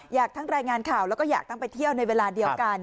ทั้งรายงานข่าวแล้วก็อยากทั้งไปเที่ยวในเวลาเดียวกัน